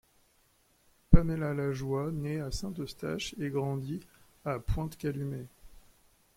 Pamela Lajoie naît le à Saint-Eustache et grandit à Pointe-Calumet.